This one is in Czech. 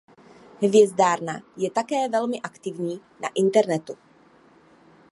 Hvězdárna je také velmi aktivní na internetu.